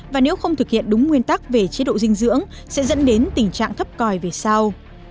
và nếu không thực hiện đúng nguyên tắc về chế độ dinh dưỡng sẽ dẫn đến tình trạng thấp coi về sau